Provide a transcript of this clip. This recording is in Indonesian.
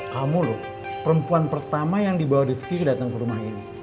kamu loh perempuan pertama yang dibawa rivki datang ke rumah ini